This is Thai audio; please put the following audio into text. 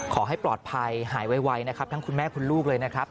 ขอให้ปลอดภัยหายไวนะครับทั้งคุณแม่คุณลูกเลยนะครับ